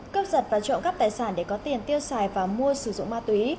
cướp giật và trộm cắp tài sản để có tiền tiêu xài và mua sử dụng ma túy